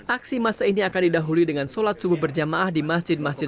aksi masa ini akan didahului dengan sholat subuh berjamaah di masjid masjid